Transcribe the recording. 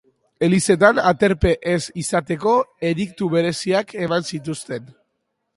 Elizetan aterpe ez izateko ediktu bereziak eman zituzten.